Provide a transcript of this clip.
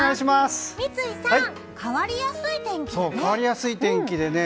三井さん、変わりやすい天気だね。